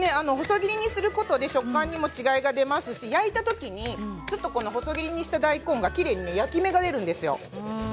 そうすることで食感に違いが出ますし焼いた時に細切りにした大根がきれいに焼き目が出るんですよ。